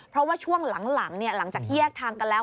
เพราะว่าช่วงหลังหลังจากที่แยกทางกันแล้ว